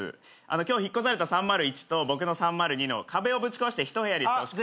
今日引っ越された３０１と僕の３０２の壁をぶち壊して一部屋にしてほしくて。